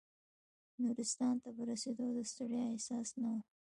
نورستان ته په رسېدو د ستړیا احساس نه و.